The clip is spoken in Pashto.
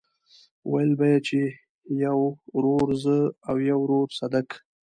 ويل به يې چې يو ورور زه او يو ورور صدک.